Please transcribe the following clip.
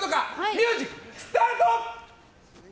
ミュージックスタート！